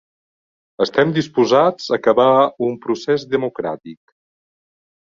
Estem disposats a acabar un procés democràtic.